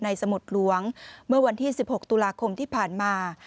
สมุดหลวงเมื่อวันที่๑๖ตุลาคมที่ผ่านมา